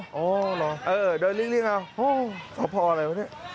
อ๋อเหรอเดินเรียกแล้วโอ้โฮสาวพ่ออะไรวะนี่